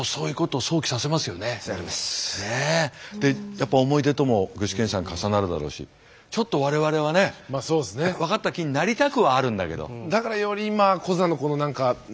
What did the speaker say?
やっぱ思い出とも具志堅さん重なるだろうしちょっと我々はね分かった気になりたくはあるんだけど。